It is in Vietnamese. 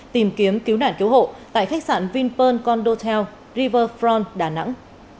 tìm kiếm cứu nạn cứu hộ tại khách sạn vinpearl condotel riverfront đà nẵng